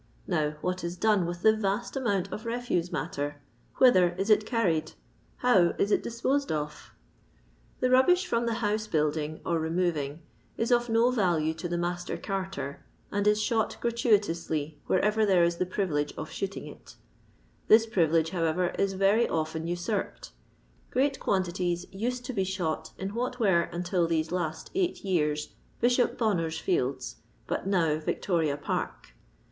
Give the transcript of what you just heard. Now what is done with the ynst amount of refuse matter] Whither is it carried ] How is it disposed of] The rubbish from the house huilding or remov ing is of no value to the master carter, and is shot gratuitously wherever there is the privilege of shooting it ; this privilege, however, is very often usurped. Great quantities used to be shot in what were, until these last eight years. Bishop Bonner's Fields, but now Victoria Park.